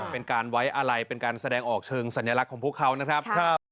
เป็นการไว้อะไรเป็นการแสดงออกเชิงสัญลักษณ์ของพวกเขานะครับ